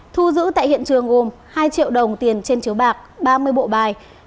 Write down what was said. thu giữ tại hiện trường gồm hai triệu đồng tiền trên chiếu bạc ba mươi bộ bài